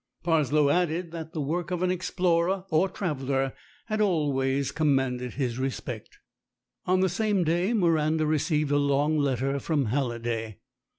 Parslow added that the work of an explorer or traveller had always com manded his respect. On the same day Miranda received a long letter from Halliday.